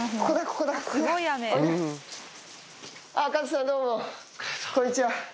こんにちは。